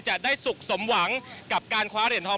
จะได้สุขสมหวังกับการคว้าเหรียญทอง